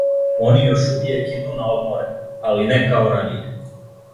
Они још увијек иду на одморе, али не као раније.